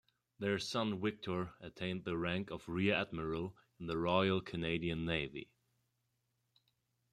Their son, Victor, attained the rank of Rear Admiral in the Royal Canadian Navy.